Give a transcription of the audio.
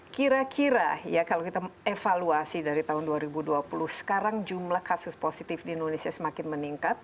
kira kira ya kalau kita evaluasi dari tahun dua ribu dua puluh sekarang jumlah kasus positif di indonesia semakin meningkat